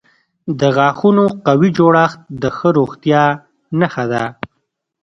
د غاښونو قوي جوړښت د ښه روغتیا نښه ده.